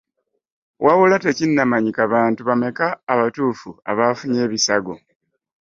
Wabula tekinnamanyika bantu bameka abatuufu abafunye ebisago